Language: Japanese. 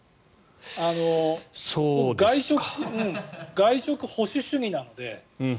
外食保守主義なので。